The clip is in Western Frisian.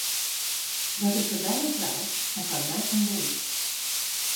Dat is foar dy in fraach en foar my in weet.